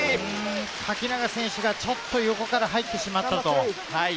垣永選手がちょっと横から入ってしまった。